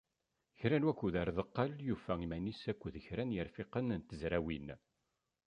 Kra n wakud ar deqqal, yufa iman-is akked kra n yirfiqen n tezrawin.